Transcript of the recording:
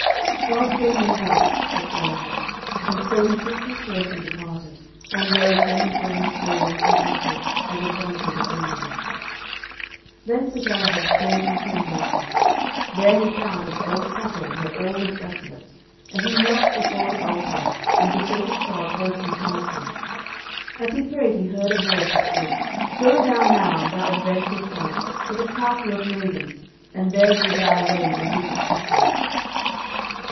"God send you health," said Galahad, and so he took his horse and departed, and rode many journeys forward and backward, as adventure would lead him. Then Sir Galahad came unto a mountain. There he found an old chapel, where all was desolate, and he knelt before the altar and besought of God wholesome counsel. As he prayed, he heard a voice that said, "Go thou now, thou adventurous knight, to the Castle of Maidens, and there do thou away the wicked customs."